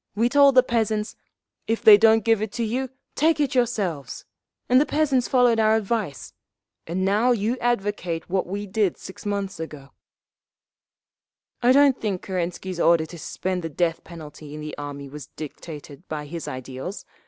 We told the peasants, 'If they don't give it to you, take it yourselves!' and the peasants followed our advice. And now you advocate what we did six months ago…. "I don't think Kerensky's order to suspend the death penalty in the army was dictated by his ideals.